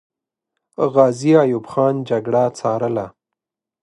غازي ایوب خان جګړه ځارله.